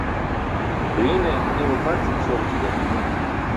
Ġiine iymo pʰarcin isoġuc̣i delum juwan.